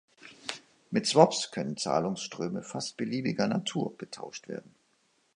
Mit Swaps können Zahlungsströme fast beliebiger Natur getauscht werden.